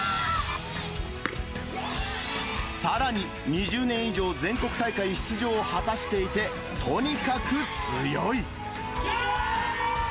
さらに２０年以上、全国大会出場を果たしていて、とにかく強い。